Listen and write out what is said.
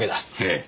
ええ。